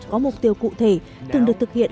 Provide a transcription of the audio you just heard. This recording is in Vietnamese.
có mục tiêu cụ thể từng được thực hiện